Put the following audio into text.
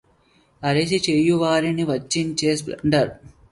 అరసి చేయువాని వరియించు సంపదల్